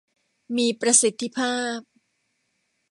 มีประสิทธิภาพ